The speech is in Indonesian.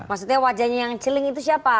maksudnya wajahnya yang celing itu siapa